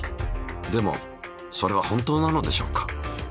でもそれは本当なのでしょうか。